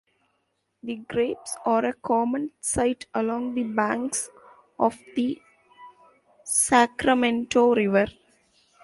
The grapes are a common sight along the banks of the Sacramento River.